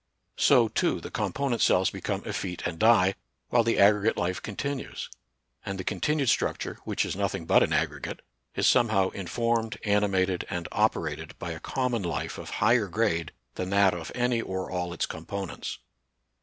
So, too, the compo nent cells become effete and die, while the aggregate life continues ; and the" continued structure, which is nothing but an aggregate, is somehow informed, animated, and operated by a common life of higher grade than that of any or all its components.